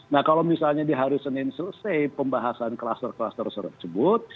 nah kalau misalnya di hari senin selesai pembahasan kluster kluster tersebut